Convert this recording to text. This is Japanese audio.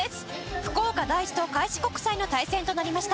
福岡第一と開志国際の対戦となりました。